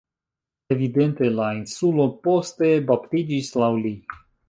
Evidente la insulo poste baptiĝis laŭ li.